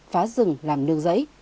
phá rừng làm nương giấy